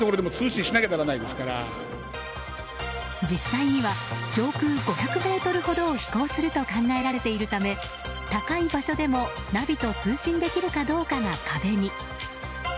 実際には上空５００ｍほどを飛行すると考えられているため高い場所でもナビと通信できるかどうかが壁に。